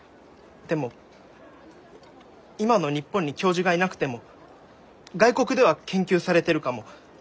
でも今の日本に教授がいなくても外国では研究されてるかも。